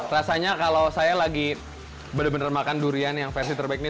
rasanya kalau saya lagi benar benar makan durian yang versi terbaik ini